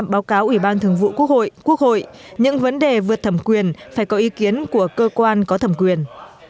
báo cáo ủy ban thường vụ quốc hội những vấn đề vượt thẩm quyền phải có ý kiến của cơ quan có thẩm quyền